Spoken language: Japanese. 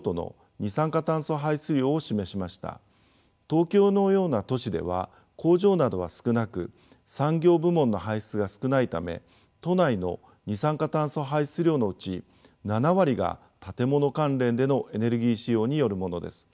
東京のような都市では工場などは少なく産業部門の排出が少ないため都内の二酸化炭素排出量のうち７割が建物関連でのエネルギー使用によるものです。